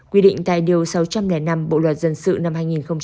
quy định tại điều sáu trăm linh năm bộ luật dân sự năm hai nghìn một mươi năm